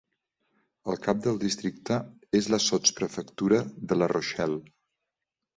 El cap del districte és la sotsprefectura de La Rochelle.